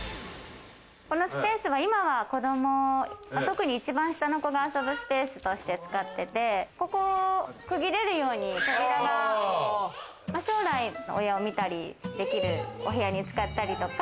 このスペースは今は子供、特に一番下の子供が遊ぶスペースとして使っててここを区切れるように扉が将来、親を見たりできるお部屋に使ったりとか。